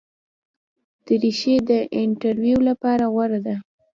دریشي د انټرویو لپاره غوره ده.